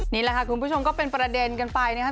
นี่แหละค่ะคุณผู้ชมก็เป็นประเด็นกันไปนะครับ